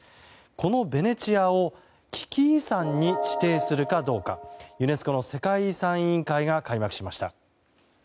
このベネチアを危機遺産に指定するかどうかユネスコの世界遺産委員会が開幕しました。